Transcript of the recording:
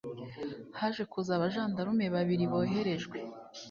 Haje kuza abajandarume babiri boherejwe